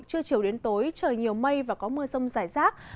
trưa chiều đến tối trời nhiều mây và có mưa rông rải rác